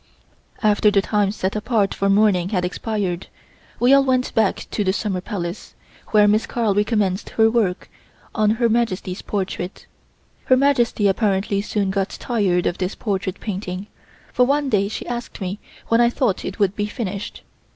After the time set apart for mourning had expired, we all went back to the Summer Palace, where Miss Carl re commenced her work on Her Majesty's portrait. Her Majesty apparently soon got tired of this portrait painting, for one day she asked me when I thought it would be finished.